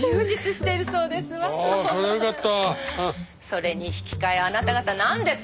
それに引き換えあなた方なんですの？